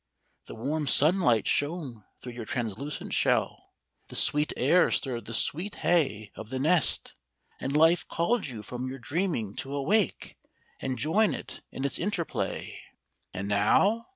The warm sunlight shone through your translucent shell, the sweet air stirred the sweet hay of the nest, and life called you from your dreaming to awake, and join it in its interplay. And now!